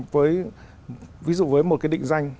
ví dụ với một cái định danh